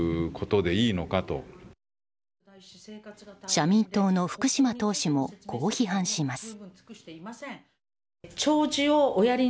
社民党の福島党首もこう批判します。